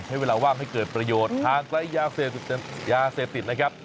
ใช้เวลาว่างให้เกิดประโยชน์ทางใกล้ยาเสพติดนะครับ